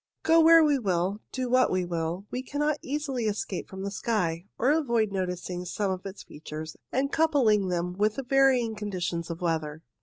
Go where we will, do what we will, we cannot easily escape from the sky, or avoid noticing some of its features and coupling them with the varying con ditions of weather.